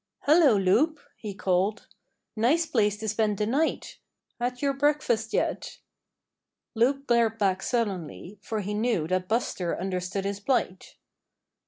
"Hello, Loup!" he called. "Nice place to spend the night! Had your breakfast yet?" Loup glared back sullenly, for he knew that Buster understood his plight.